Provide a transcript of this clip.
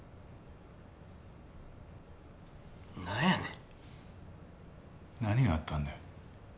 なんやねん。何があったんだよ？